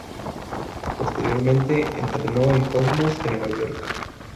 Posteriormente entrenó al Cosmos de Nueva York.